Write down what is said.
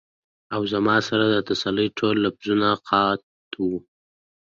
او زما سره د تسلۍ ټول لفظونه قات وو ـ